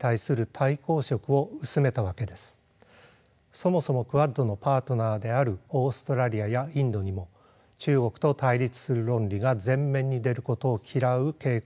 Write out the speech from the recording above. そもそもクアッドのパートナーであるオーストラリアやインドにも中国と対立する論理が前面に出ることを嫌う傾向があります。